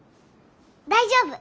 大丈夫。